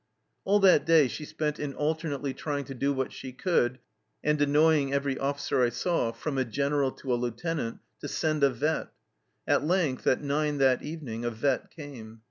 All that day she spent in alternately trying to do what she could and " annoying every officer I saw, from r General to a Lieutenant," to send a vet. At length, at nine that evening, a vet came.